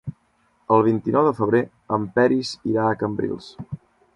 El vint-i-nou de febrer en Peris irà a Cambrils.